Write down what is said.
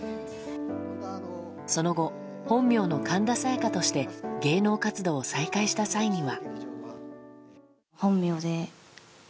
その後、本名の神田沙也加として芸能活動を再開した際には。